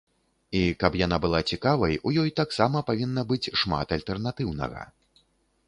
І, каб яна была цікавай, у ёй таксама павінна быць шмат альтэрнатыўнага.